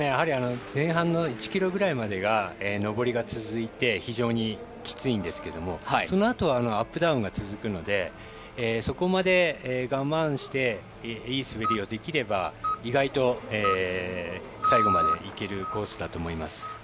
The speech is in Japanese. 前半１ｋｍぐらいまでが上りが続いて非常にきついんですがそのあとアップダウンが続くのでそこまで我慢していい滑りをできれば意外と最後まで行けるコースだと思います。